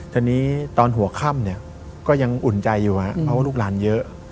ทันนี้ตอนหัวค่ำก็ยังอุ่นใจอยู่เพราะลูกหลานเยอะ